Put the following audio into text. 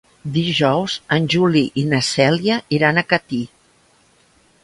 Dijous en Juli i na Cèlia iran a Catí.